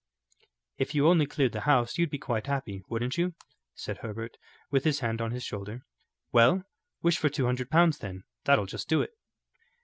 "If you only cleared the house, you'd be quite happy, wouldn't you?" said Herbert, with his hand on his shoulder. "Well, wish for two hundred pounds, then; that 'll just do it."